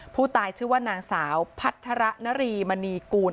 ผู้ตายชื่อว่านางสาวพัฒระนรีมณีกูล